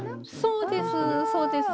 そうですそうです。